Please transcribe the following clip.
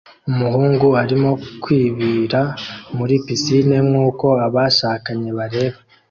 umuhungu arimo kwibira muri pisine nkuko abashakanye bareba